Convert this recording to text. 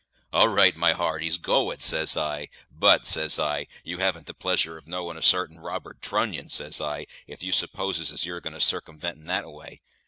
`All right, my hearties, go it,' says I; `but,' says I, `you haven't the pleasure of knowin' a sartain Robert Trunnion,' says I, `if you supposes as you're going to carcumvent him that a way.'